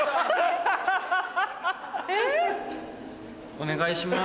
お願いします。